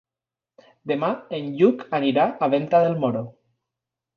Demà en Lluc anirà a Venta del Moro.